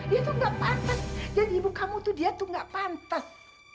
dia tuh nggak pantas jadi ibu kamu tuh dia tuh nggak pantas